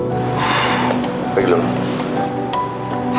hati hatilah sayang ya